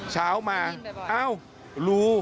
เช้ามาเอ้ารู